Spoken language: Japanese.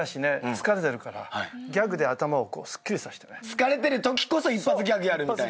疲れてるときこそ一発ギャグやるみたいな。